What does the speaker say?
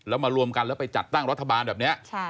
แล้วมารวมกันแล้วไปจัดตั้งรัฐบาลแบบนี้